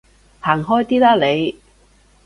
行開啲啦你